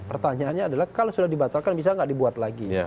pertanyaannya adalah kalau sudah dibatalkan bisa nggak dibuat lagi